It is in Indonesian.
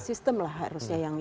sistem lah harusnya yang